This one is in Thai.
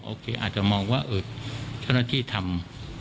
อาจจะมองว่าเจ้าหน้าที่ทำ